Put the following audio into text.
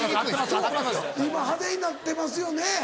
そう今派手になってますよね。